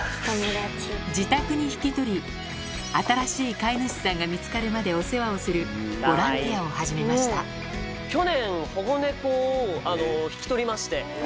自宅に引き取り、新しい飼い主さんが見つかるまでお世話をするボランティアを始め去年、保護猫を引き取りまして。